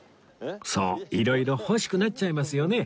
そう色々欲しくなっちゃいますよね